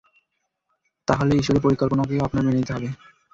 তাহলে, ঈশ্বরের পরিকল্পনাকেও আপনার মেনে নিতে হবে!